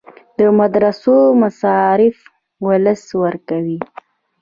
د مدرسو مصارف ولس ورکوي